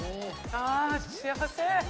ああ、幸せ。